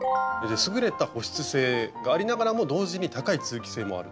優れた保湿性がありながらも同時に高い通気性もあると。